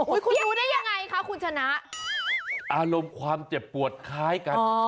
คุณอยู่ได้ยังไงคะคุณชนะอารมณ์ความเจ็บปวดคล้ายกัน